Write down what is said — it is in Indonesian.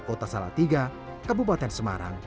kota salatiga kabupaten semarang